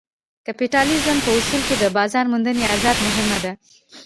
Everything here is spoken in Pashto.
کپیټالیزم په اصولو کې د بازار موندنې ازادي مهمه ده.